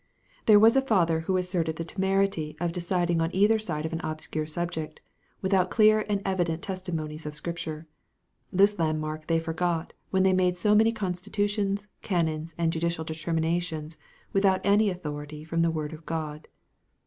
There was a father who asserted the temerity of deciding on either side of an obscure subject, without clear and evident testimonies of Scripture. This landmark they forgot when they made so many constitutions, canons, and judicial determinations, without any authority from the word of God.